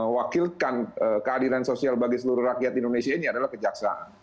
wakilkan keadilan sosial bagi seluruh rakyat indonesia ini adalah kejaksaan